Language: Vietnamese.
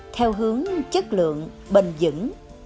theo hướng chất lượng bình dẫn